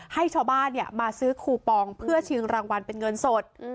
ให้ชาวบ้านมาซื้อคูปองเพื่อชิงรางวัลเป็นเงินสด